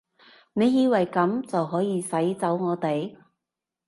你以為噉就可以使走我哋？